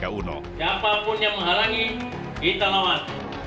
siapapun yang menghalangi kita lawan